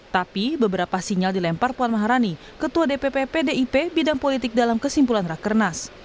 tapi beberapa sinyal dilempar puan maharani ketua dpp pdip bidang politik dalam kesimpulan rakernas